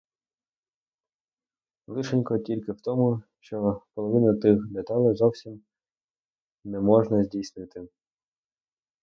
Лишенько тільки в тому, що половини тих деталей зовсім не можна здійснити.